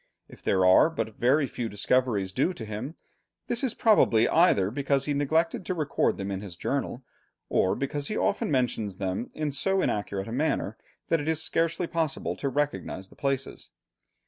If there are but very few discoveries due to him, this is probably either because he neglected to record them in his journal, or because he often mentions them in so inaccurate a manner that it is scarcely possible to recognize the places.